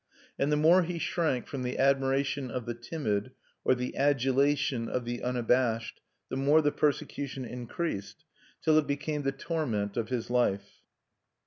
And the more he shrank from the admiration of the timid, or the adulation of the unabashed, the more the persecution increased, till it became the torment of his life(1).